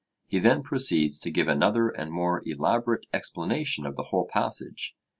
He then proceeds to give another and more elaborate explanation of the whole passage.